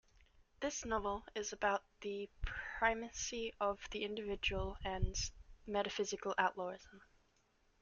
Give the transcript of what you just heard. This novel is about the primacy of the individual and "metaphysical outlawism".